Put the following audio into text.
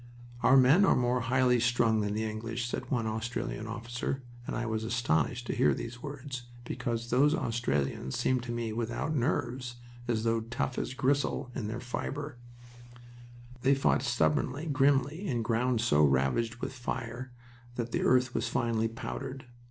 "Our men are more highly strung than the English," said one Australian officer, and I was astonished to hear these words, because those Australians seemed to me without nerves, and as tough as gristle in their fiber. They fought stubbornly, grimly, in ground so ravaged with fire that the earth was finely powdered.